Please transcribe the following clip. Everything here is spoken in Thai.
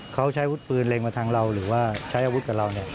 เขาใช้วุฒิปืนเล็งมาทางเราหรือว่าใช้อาวุธกับเรา